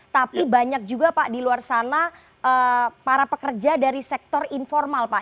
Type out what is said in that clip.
tapi banyak juga pak di luar sana para pekerja dari sektor informal pak